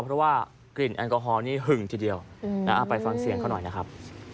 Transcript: เพราะว่ากลิ่นแอลกอฮอลนี้หึงทีเดียวไปฟังเสียงเขาหน่อยนะครับ